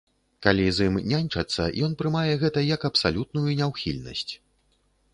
Калі з ім няньчацца, ён прымае гэта як абсалютную няўхільнасць.